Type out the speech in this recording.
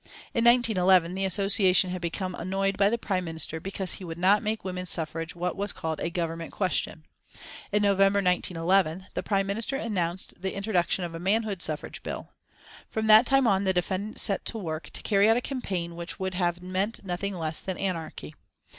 In 1911 the association had become annoyed by the Prime Minister because he would not make women's suffrage what was called a Government question. In November, 1911, the Prime Minister announced the introduction of a manhood suffrage bill. From that time on the defendants set to work to carry out a campaign which would have meant nothing less than anarchy.